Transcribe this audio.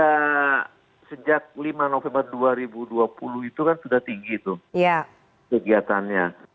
pemicu yang terjadi di lima november dua ribu dua puluh itu kan sudah tinggi itu kegiatannya